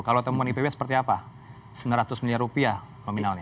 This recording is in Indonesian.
kalau temuan ipw seperti apa sembilan ratus miliar rupiah nominalnya